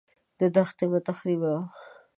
دښتې مه تخریبوه.